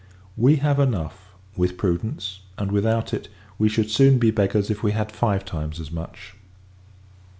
We have enough, with prudence; and, without it, we should soon be beggars, if we had five times as much.